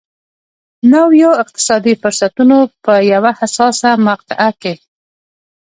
نویو اقتصادي فرصتونو په یوه حساسه مقطعه کې.